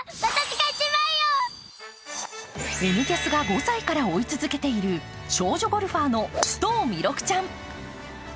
「Ｎキャス」が５歳から追い続けている少女ゴルファーの須藤弥勒ちゃん。